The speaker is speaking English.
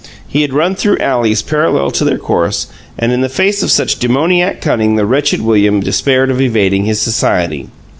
He had run through alleys parallel to their course and in the face of such demoniac cunning the wretched William despaired of evading his society.